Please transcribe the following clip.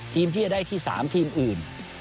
ทีมที่จะได้ที่สามทีมอื่น